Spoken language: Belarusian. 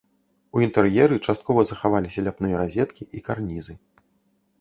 У інтэр'еры часткова захаваліся ляпныя разеткі і карнізы.